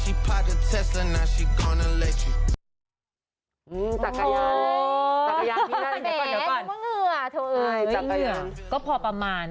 เหงื่อก็พอประมาณ